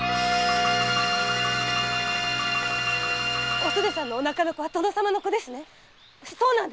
お袖さんのお腹の子は殿様の子ですね！